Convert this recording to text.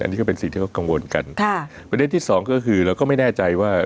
อันนี้ก็เป็นสิ่งที่เขากังวลกันค่ะประเด็นที่สองก็คือเราก็ไม่แน่ใจว่า